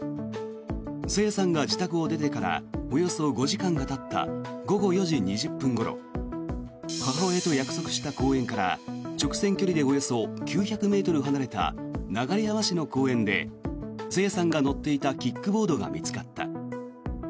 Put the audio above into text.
朝芽さんが自宅を出てからおよそ５時間がたった午後４時２０分ごろ母親と約束した公園から直線距離でおよそ９００ｍ離れた流山市の公園で朝芽さんが乗っていたキックボードが見つかった。